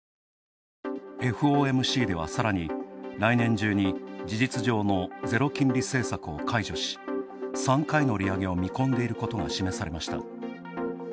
ＦＯＭＣでは、さらに来年中に事実上のゼロ金利政策を解除し３回の利上げを見込んでいることが示されました。